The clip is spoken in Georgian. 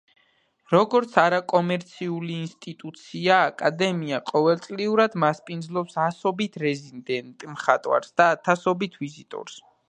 როგორც არაკომერციული ინსტიტუცია აკადემია ყოველწლიურად მასპინძლობს ასობით რეზიდენტ მხატვარს და ათასობით ვიზიტორს.